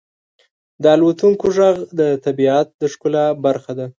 • د الوتونکو ږغ د طبیعت د ښکلا برخه ده.